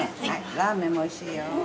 ラーメンもおいしいよ。